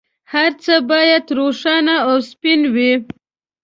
هر څه باید روښانه او سپین وي.